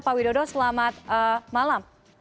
pak widodo selamat malam